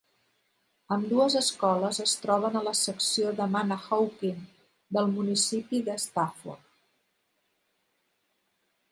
Ambdues escoles es troben a la secció de Manahawkin del municipi de Stafford.